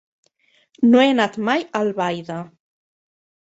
No he anat mai a Albaida.